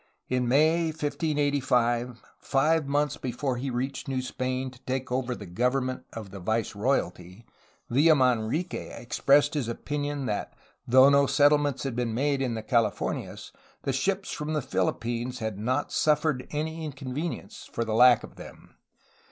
In May 1585, five months before he reached New Spain to take over the government of the viceroyalty, Villamanrique expressed his opinion that though no settle ments had been made in the Californias the ships from the Philippines had not suffered any inconvenience for the lack of them.